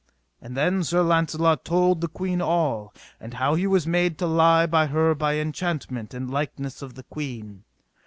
And then Sir Launcelot told the queen all, and how he was made to lie by her by enchantment in likeness of the queen.